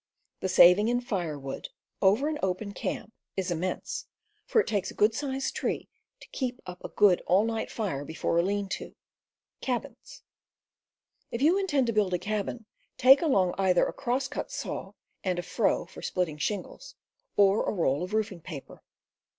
The saving in firewood, over an open camp, is AXEMANSHIP 275 immense, for it takes a good sized tree to keep up a good all night fire before a lean to. If you intend to build a cabin, take along either a cross cut saw and a froe for splitting shingles, or a roll of roofing paper.